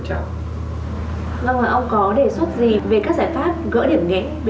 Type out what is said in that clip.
vâng ạ ông có đề xuất gì về các giải pháp gỡ điểm nghẽ